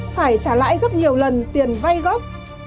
phải trả lãi gấp nhiều lần tiền vay gấp